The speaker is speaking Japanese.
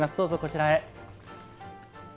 どうぞこちらへ。